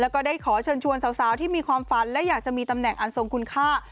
แล้วก็ได้ขอเชิญชวนสาวที่มีความฝันและอยากจะมีตำแหน่งอันทรงคุณค่า